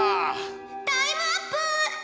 タイムアップ！